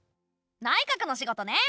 内閣の仕事ね。